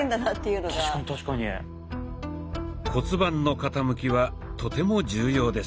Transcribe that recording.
骨盤の傾きはとても重要です。